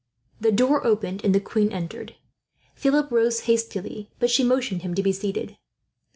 The door opened, and the queen entered. Philip rose hastily, but she motioned him to be seated.